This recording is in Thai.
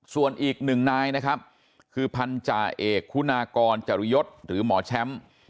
ส่วนอีกหนึ่งนายนะครับคือพันธาเอกคุณากรจริยศหรือหมอแชมป์